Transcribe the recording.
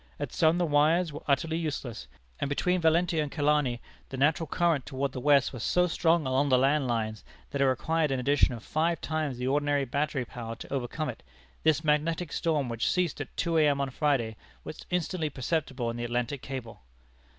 At some the wires were utterly useless; and between Valentia and Killarney the natural current toward the west was so strong along the land lines that it required an addition of five times the ordinary battery power to overcome it. This magnetic storm, which ceased at two A.M. on Friday, was instantly perceptible in the Atlantic cable."